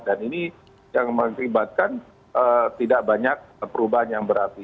dan ini yang mengibatkan tidak banyak perubahan yang berarti